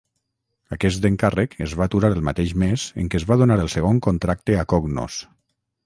Aquest encàrrec es va aturar el mateix mes en què es va donar el segon contracte a Cognos.